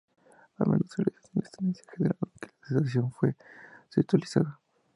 A menudo se realiza sin anestesia general, aunque la sedación puede ser utilizada.